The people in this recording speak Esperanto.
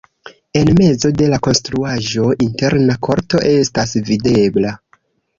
En mezo de la konstruaĵo interna korto estas videbla.